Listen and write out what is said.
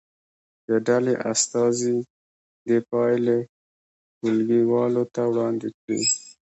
د ډلې استازي دې پایلې ټولګي والو ته وړاندې کړي.